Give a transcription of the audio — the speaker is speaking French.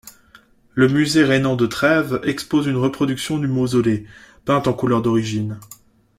Le musée rhénan de Trèves expose une reproduction du mausolée, peinte en couleurs d'origine.